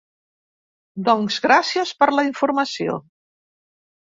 Doncs gràcies per la informació.